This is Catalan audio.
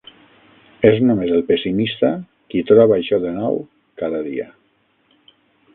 És només el pessimista qui troba això de nou cada dia.